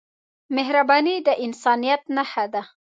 مهرباني د انسانیت نښه ده.